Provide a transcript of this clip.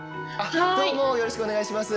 よろしくお願いします。